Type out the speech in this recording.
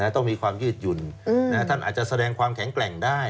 ต้องมีความยืดหยุ่นท่านอาจจะแสดงความแข็งแกร่งได้